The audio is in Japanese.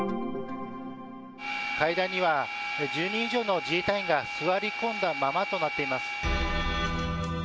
階段には１０人以上の自衛隊員が座り込んだままとなっています。